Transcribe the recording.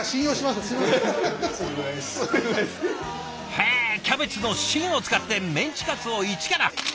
へえキャベツの芯を使ってメンチカツをイチから？